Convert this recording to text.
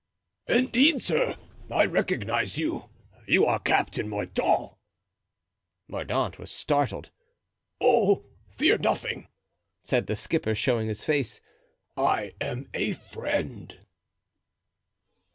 "Indeed, sir, I recognize you; you are Captain Mordaunt." Mordaunt was startled. "Oh, fear nothing," said the skipper, showing his face. "I am a friend."